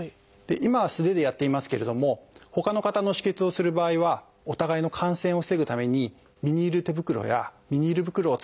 今は素手でやっていますけれどもほかの方の止血をする場合はお互いの感染を防ぐためにビニール手袋やビニール袋を使ってください。